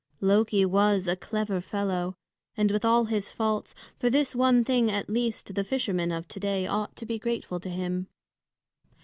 Loki was a clever fellow; and with all his faults, for this one thing at least the fishermen of to day ought to be grateful to him.